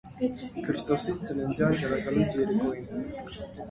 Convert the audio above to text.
Քրիստոսի ծննդյան ճրագալույց երեկոյին ս.